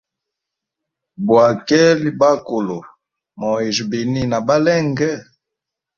Bwakeli bakulu, moyijya bini nabalenge?